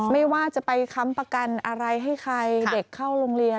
ไม่ว่าจะไปค้ำประกันอะไรให้ใครเด็กเข้าโรงเรียน